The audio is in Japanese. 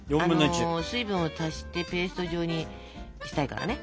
水分を足してペースト状にしたいからね。